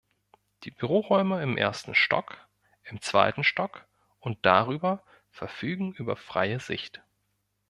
Die Büroräume im ersten Stock, im zweiten Stock und darüber verfügen über freie Sicht.